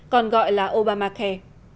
còn gọi là obamacare